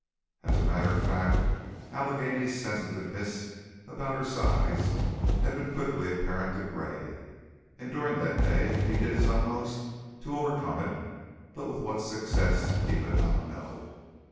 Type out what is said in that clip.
As a matter of fact, Allegheny's sensitiveness about her size had been quickly apparent to Gray, and during that day he did his utmost to overcome it, but with what success he could not know.